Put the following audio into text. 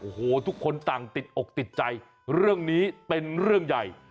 โอ้โหทุกคนต่างติดอกติดใจเรื่องนี้เป็นเรื่องใหญ่